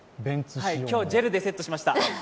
今日、ジェルでセットしました。